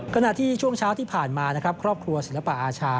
ขณะที่ช่วงเช้าที่ผ่านมานะครับครอบครัวศิลปะอาชา